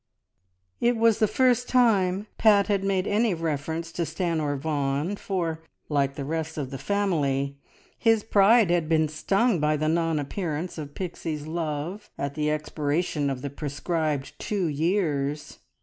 It was the first time Pat had made any reference to Stanor Vaughan, for, like the rest of the family, his pride had been stung by the non appearance of Pixie's love, at the expiration of the prescribed two years.